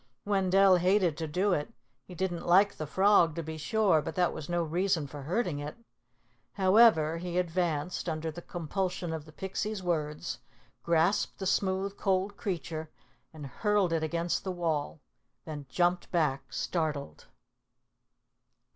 Wendell hated to do it. He didn't like the frog, to be sure, but that was no reason for hurting it. However, he advanced, under the compulsion of the Pixie's words, grasped the smooth, cold creature, and hurled it against the wall then jumped back startled.